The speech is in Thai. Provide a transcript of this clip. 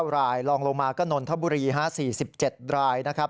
รายลองลงมาก็นนทบุรี๔๗รายนะครับ